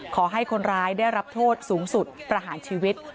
ขอให้คนร้ายได้รับโทษสูงสุดประหารชีวิต